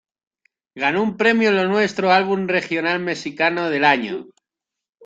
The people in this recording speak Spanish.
Ganó un Premio Lo Nuestro a Álbum Regional Mexicano del Año.